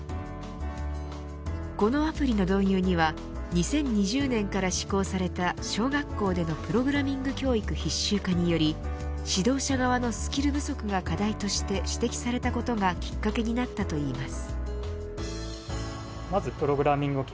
このアプリの導入には２０２０年から施行された小学校でのプログラミング教育必修化により指導者側のスキル不足が課題として指摘されたことがきっかけになったといいます。